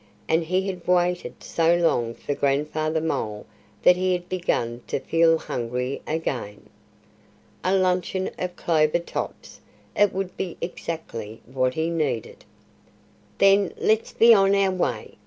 And he had waited so long for Grandfather Mole that he had begun to feel hungry again. A luncheon of clover tops! It would be exactly what he needed. "Then let's be on our way!"